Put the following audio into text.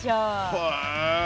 へえ！